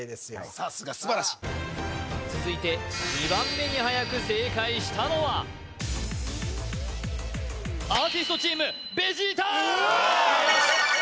さすが素晴らしい続いて２番目にはやく正解したのはアーティストチームベジータ！